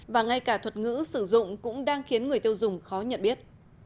và ngay cả thuật ngữ sử dụng cũng đang khiến người tiêu dùng khó nhận biết